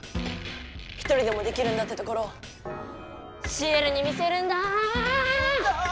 一人でもできるんだってところシエルに見せるんだあ！